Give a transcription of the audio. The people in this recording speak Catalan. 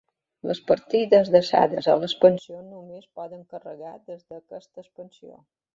Les partides desades a l'expansió només poden carregar des d'aquesta expansió.